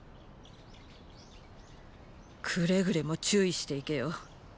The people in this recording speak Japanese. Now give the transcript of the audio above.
くれぐれも注意していけよ。